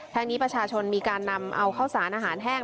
ทางนี้ประชาชนมีการนำเอาข้าวสารอาหารแห้ง